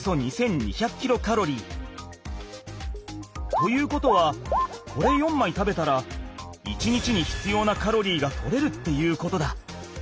ということはこれ４枚食べたら１日に必要なカロリーが取れるっていうことだ。